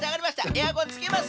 エアコンつけますよ。